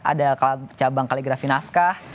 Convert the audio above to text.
ada cabang kaligrafi naskah